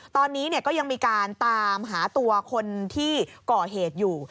ตอนนี้ก็ยังมีการตามหาตัวคนที่ก่อเหตุอยู่